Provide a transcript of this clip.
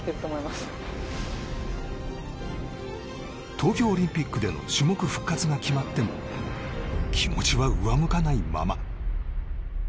東京オリンピックでの種目復活が決まっても気持ちは上向かないまま。